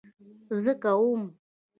زه کوم